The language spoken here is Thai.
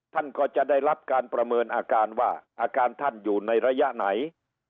ท่านก็จะได้รับการประเมินอาการว่าอาการท่านอยู่ในระยะไหน